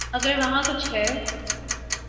اگر وہاں کچھ ہے۔